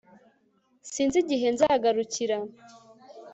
Sinzi igihe nzagarukira